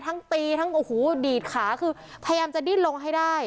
ทั้งตีทั้งโอ้โหดีดขาคือพยายามจะดิ้นลงให้ได้